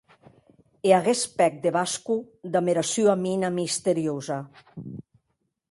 E aguest pèc de Vasco, damb era sua mina misteriosa!